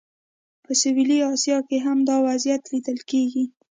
په سویلي اسیا کې هم دا وضعیت لیدل کېږي.